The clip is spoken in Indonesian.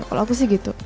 kalo aku sih gitu